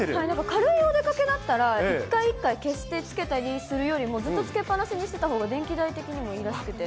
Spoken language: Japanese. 軽いお出かけだったら、一回一回消してつけたりするよりも、ずっとつけっぱなしにしてたほうが電気代的にもいいらしくて。